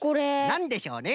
なんでしょうね？